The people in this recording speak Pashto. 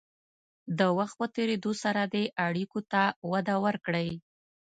د وخت په تېرېدو سره دې اړیکو ته وده ورکړئ.